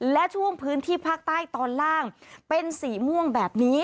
และช่วงพื้นที่ภาคใต้ตอนล่างเป็นสีม่วงแบบนี้